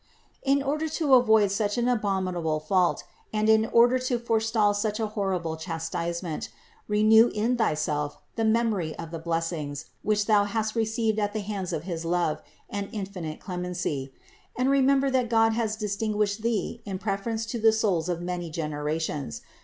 37. In order to avoid such an abominable fault and in order to forestall such a horrible chastisement, renew in thyself the memory of the blessings, which thou hast received at the hands of his love and infinite clemency; and remember that God has distinguished thee in prefer ence to the souls of many generations.